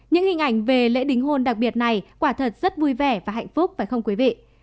những hình ảnh về lễ đính hôn đặc biệt này quả thật rất vui vẻ và hạnh phúc và không quý vị